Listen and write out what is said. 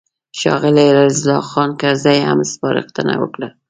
ښاغلي عزیز الله خان کرزي هم سپارښتنه وکړه.